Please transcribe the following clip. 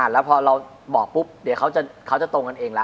แล้วพอเราบอกปุ๊บเดี๋ยวเขาจะตรงกันเองละ